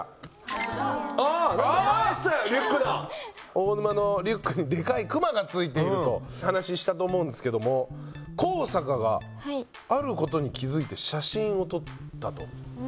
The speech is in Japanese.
大沼のリュックにでかいクマが付いていると話したと思うんですけども幸阪があることに気付いて写真を撮ったと。